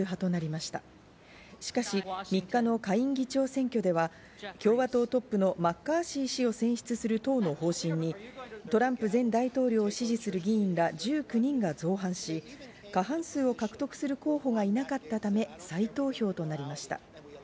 しかし３日の下院議長選挙では共和党トップのマッカーシー氏を選出する党の方針にトランプ前大統領を支持する議員ら１９人が造反し、過半数を獲得する候補がいなかったため、再投票となりました。